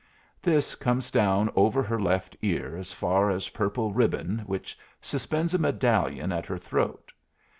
This comes down over her left ear as far as a purple ribbon which suspends a medallion at her throat.